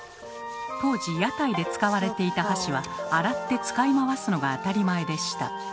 当時屋台で使われていた箸は洗って使い回すのが当たり前でした。